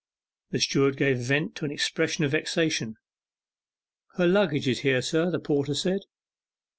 The steward gave vent to an expression of vexation. 'Her luggage is here, sir,' the porter said.